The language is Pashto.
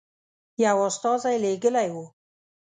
یو استازی لېږلی وو.